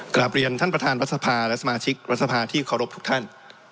กลับเรียนท่านประธานรัฐสภาและสมาชิกรัฐสภาที่เคารพทุกท่าน